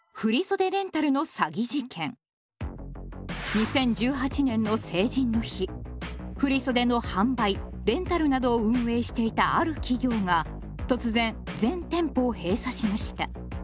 ２０１８年の成人の日振袖の販売・レンタルなどを運営していたある企業が突然全店舗を閉鎖しました。